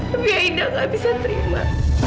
tapi aida gak bisa terima